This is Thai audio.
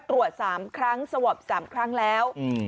ตรวจ๓ครั้งสวอป๓ครั้งแล้ว